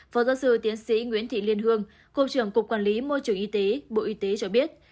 phó giáo sư tiến sĩ nguyễn thị liên hương cục trưởng cục quản lý môi trường y tế bộ y tế cho biết